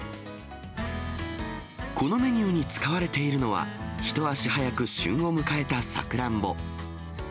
このメニューに使われているのは、一足早く旬を迎えたさくらんぼ。